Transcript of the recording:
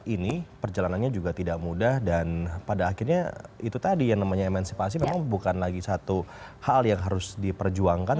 ini perjalanannya juga tidak mudah dan pada akhirnya itu tadi yang namanya emensipasi memang bukan lagi satu hal yang harus diperjuangkan